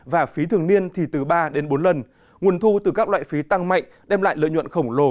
và phí thường niên thì từ ba đến bốn lần nguồn thu từ các loại phí tăng mạnh đem lại lợi nhuận khổng lồ